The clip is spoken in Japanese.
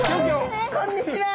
こんにちは！